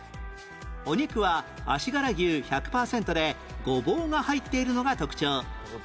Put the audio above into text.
お肉は足柄牛１００パーセントでゴボウが入っているのが特徴